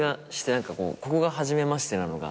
ここが初めましてなのが。